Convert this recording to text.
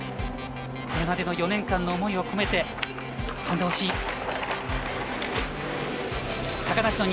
これまでの４年間の思いを込めて飛んでほしい。